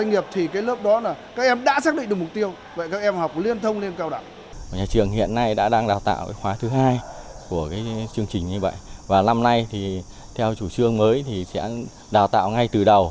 nhà trường hiện nay đã đang đào tạo khóa thứ hai của chương trình như vậy và năm nay theo chủ trương mới sẽ đào tạo ngay từ đầu